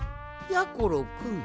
やころくん